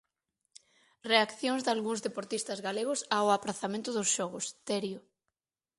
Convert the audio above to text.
Reaccións dalgúns deportistas galegos ao aprazamento dos xogos, Terio.